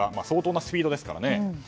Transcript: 相当なスピードですからね。